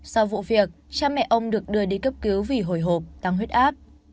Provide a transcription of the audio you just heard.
sau vụ việc cha mẹ ông được đưa đi cấp cứu vì hồi hộp tăng huyết áp